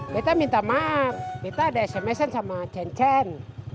kita minta maaf kita ada sms an sama cen cen